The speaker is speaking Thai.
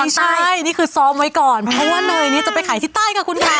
ไม่ใช่นี่คือซ้อมไว้ก่อนเพราะว่าเนยเนี่ยจะไปขายที่ใต้ค่ะคุณค่ะ